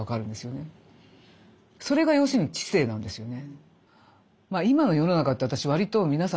それが要するに知性なんですよね。